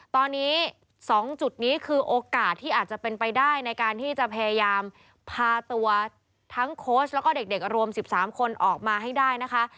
ตอนนี้๒จุดนี้คือโอกาสที่อาจจะเป็นไปได้ในการที่จะพยายามพาตัวทั้งโค้ชแล้วก็เด็กรวม๑๓คนออกมาให้ได้นะคะ